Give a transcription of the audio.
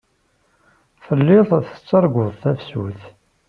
Telliḍ tettarguḍ tafsut.